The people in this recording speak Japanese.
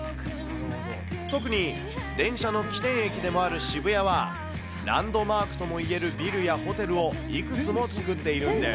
特に電車の起点駅でもある渋谷は、ランドマークとも言えるビルやホテルをいくつも作っているんです。